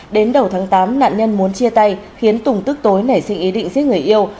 đến đầu tháng tám nạn nhân muốn chia tay khiến tùng tức tối nảy sinh ý định giết người yêu